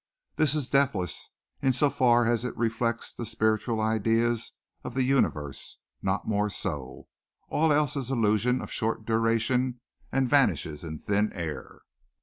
This is deathless in so far as it reflects the spiritual ideals of the universe not more so. All else is illusion of short duration and vanishes in thin air.